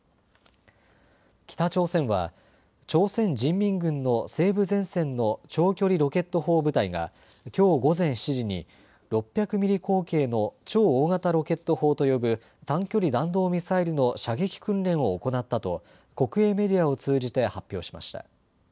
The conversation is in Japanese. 北朝鮮は朝鮮人民軍の西部前線の長距離ロケット砲部隊がきょう午前７時に６００ミリ口径の超大型ロケット砲と呼ぶ短距離弾道ミサイルの射撃訓練を行ったと国営メディアを通じて発表しました。